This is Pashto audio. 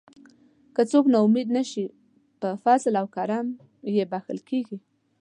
که څوک نا امید نشي په فضل او کرم یې بښل کیږي.